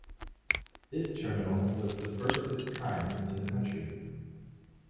This terminal was the first of its kind in the country.